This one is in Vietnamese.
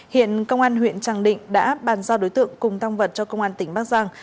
hiện công an huyện tràng định đã bàn giao đối tượng cùng tăng vật cho công an tỉnh bắc giang